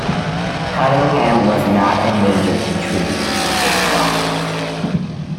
Cunningham was not a major contributor to this process.